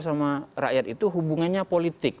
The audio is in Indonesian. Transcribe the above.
sama rakyat itu hubungannya politik